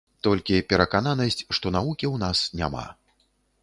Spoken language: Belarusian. Толькі перакананасць, што навукі ў нас няма.